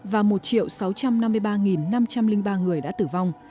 và một sáu trăm năm mươi ba năm trăm linh ba người đã tử vong